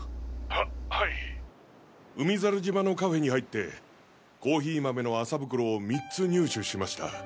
ははい海猿島のカフェに入ってコーヒー豆の麻袋を３つ入手しました。